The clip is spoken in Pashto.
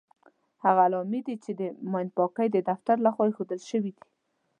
هغه علامې دي چې د ماین پاکۍ د دفتر لخوا ايښودل شوې دي.